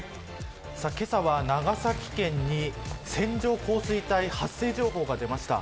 けさは、長崎県に線状降水帯発生情報が出ました。